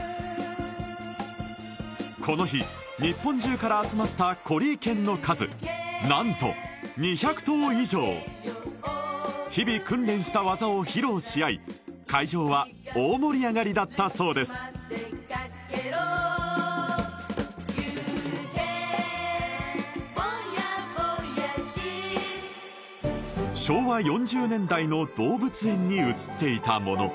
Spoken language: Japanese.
この日日本中から集まったコリー犬の数何と２００頭以上日々訓練した技を披露しあい会場は大盛り上がりだったそうですの動物園に写っていたもの